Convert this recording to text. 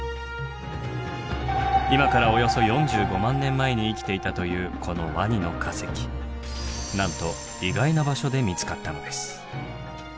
今からおよそ４５万年前に生きていたというこのワニの化石なんと意外な場所で見つかったのです。